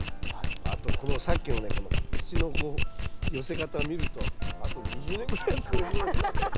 あとさっきのねこの土の寄せ方を見るとあと２０年ぐらいは作れそうですね。